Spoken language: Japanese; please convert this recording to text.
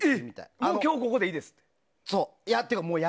でも、今日ここでいいですって。